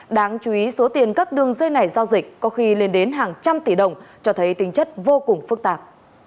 đáng chú ý số tiền các đường dây này giao dịch có khi lên đến hàng trăm tỷ đồng cho thấy tính chất vô cùng phức tạp